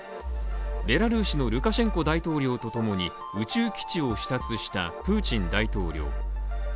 ベラルーシのルカシェンコ大統領と共に宇宙基地を視察したプーチン大統領。